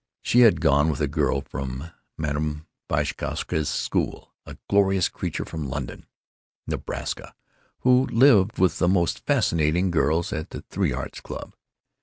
She had gone with a girl from Mme. Vashkowska's school, a glorious creature from London, Nebraska, who lived with the most fascinating girls at the Three Arts Club.